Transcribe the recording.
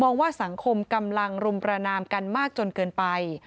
ว่าสังคมกำลังรุมประนามกันมากจนเกินไป